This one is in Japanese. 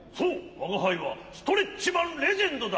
わがはいはストレッチマン・レジェンドだ！